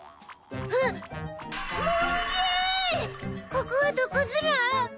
ここはどこズラ？